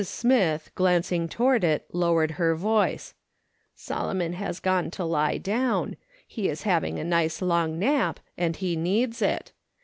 Smith, glancing toward it, lowered her voice :" Solomon has gwie to lie down. He is having a nice long nap, and he needs it.